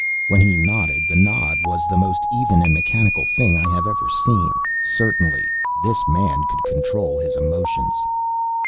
When he nodded, the nod was the most even and mechanical thing I have ever seen. Certainly this man could control his emotions!